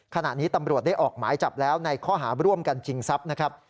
ขณะนี้ตำรวจได้ออกหมายจับแล้วในข้อหาร่วมกันชิงทรัพย์นะครับ